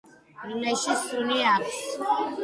ლეშის სუნი აქვს.